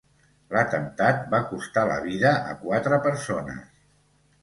L'atemptat va costar la vida a quatre persones.